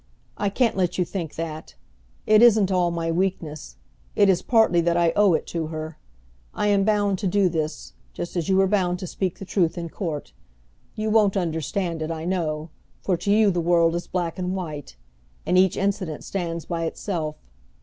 "I can't let you think that; it isn't all my weakness. It is partly that I owe it to her. I am bound to do this, just as you were bound to speak the truth in court. You won't understand it I know, for to you the world is black and white, and each incident stands by itself.